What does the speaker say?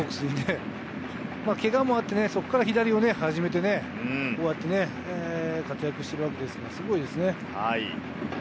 けがもあって、そこから左を始めてね、こうやって活躍してるわけですから、すごいですね。